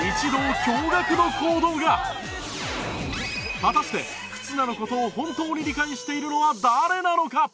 果たして忽那の事を本当に理解しているのは誰なのか？